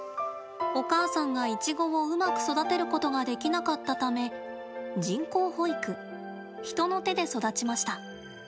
お母さんがイチゴをうまく育てることができなかったため人工哺育、人の手で育ちました。